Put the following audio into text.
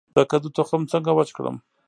د کدو تخم څنګه وچ کړم؟